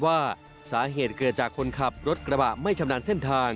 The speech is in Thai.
ว่าสาเหตุเกิดจากคนขับรถกระบะไม่ชำนาญเส้นทาง